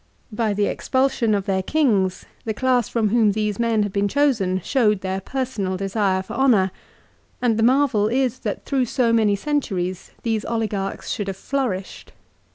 By the expulsion of their kings the class from whom these men had been chosen showed their personal desire for honour, and the marvel is that through so many centuries those oligarchs should have nourished.